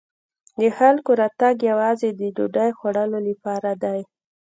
د خلکو راتګ یوازې د ډوډۍ خوړلو لپاره دی.